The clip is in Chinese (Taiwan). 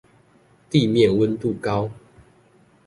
地面溫度高